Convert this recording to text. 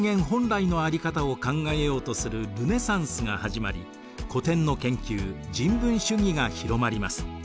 本来のあり方を考えようとするルネサンスが始まり古典の研究人文主義が広まります。